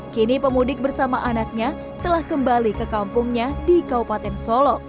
kini pemudik bersama anaknya telah kembali ke kampungnya di kabupaten solo